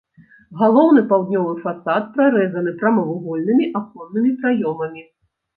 Галоўны паўднёвы фасад прарэзаны прамавугольнымі аконнымі праёмамі.